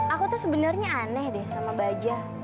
aku tuh sebenarnya aneh deh sama baja